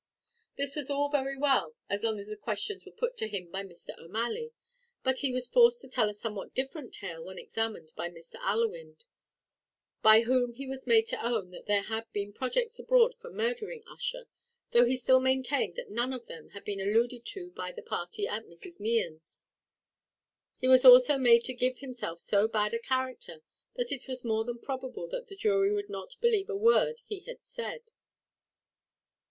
This was all very well, as long as the questions were put to him by Mr. O'Malley; but he was forced to tell a somewhat different tale when examined by Mr. Allewinde, by whom he was made to own that there had been projects abroad for murdering Ussher, though he still maintained that none of them had been alluded to by the party at Mrs. Mehan's. He was also made to give himself so bad a character that it was more than probable that the jury would not believe a word he had said.